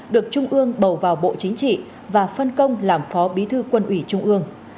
được trung ương bầu vào bộ chính trị và phân công làm phó bí thư quân ủy trung ương